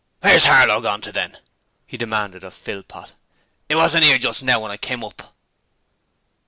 'Where's Harlow go to, then?' he demanded of Philpot. ''E wasn't 'ere just now, when I came up.'